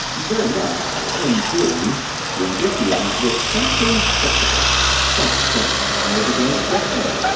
"Very nice in theory." The Bithynian was frankly skeptical. "But just how are we going to get there?